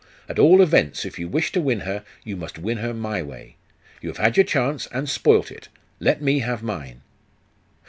At all events, if you wish to win her, you must win her my way. You have had your chance, and spoiled it. Let me have mine.